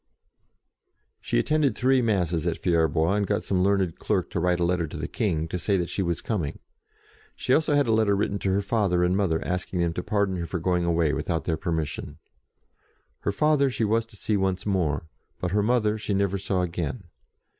She attended three Masses at Fierbois, and got some learned clerk to write a letter to the King, to say that she was coming. She also had a letter written to her father and mother, asking them to pardon her for going NEWS HEARD STRANGELY 27 away without their permission. Her father she was to see once more, her mother she never saw again.